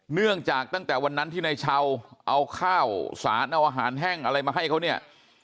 เนื่องจากตั้งแต่วันนั้นที่ในเช้าเอาข้าวสารเอาอาหารแห้งอะไรมาให้เขาเนี่ย